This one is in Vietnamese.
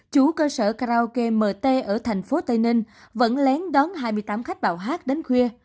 chủ cơ sở karaoke mt ở thành phố tây ninh vẫn lén đón hai mươi tám khách bảo hát đến khuya